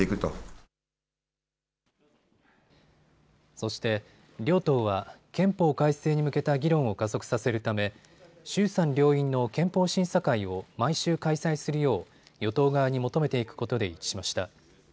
そして、両党は憲法改正に向けた議論を加速させるため衆参両院の憲法審査会を毎週開催するよう与党側に求めていくことで一致しました。